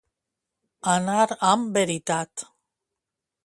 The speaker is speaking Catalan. Anar amb veritat.